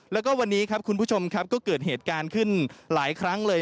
แล้วก็วันนี้ครับคุณผู้ชมครับก็เกิดเหตุการณ์ขึ้นหลายครั้งเลย